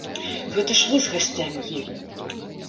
Гэта ж вы з гасцямі елі.